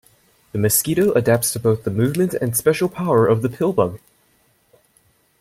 The Mosquito adapts to both the movement and special power of the Pillbug.